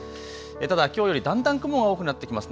ただきょうよりだんだん雲が多くなってきます。